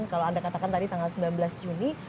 kalau anda katakan tadi tanggal sembilan belas juni